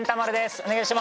お願いします。